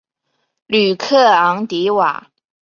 吕克昂迪瓦。